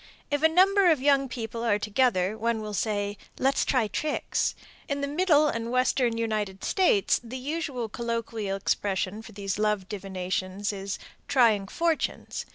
If a number of young people are together, one will say, "Let's try tricks." In the Middle and Western United States the usual colloquial expression for these love divinations is "trying fortunes."